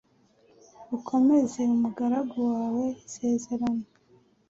Ukomereze umugaragu wawe isezerano